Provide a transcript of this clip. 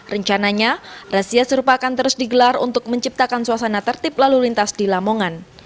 rencananya razia serupa akan terus digelar untuk menciptakan suasana tertib lalu lintas di lamongan